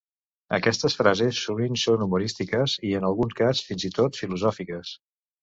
Aquestes frases sovint són humorístiques i en algun cas, fins i tot, filosòfiques.